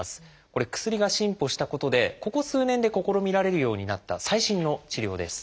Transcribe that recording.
これ薬が進歩したことでここ数年で試みられるようになった最新の治療です。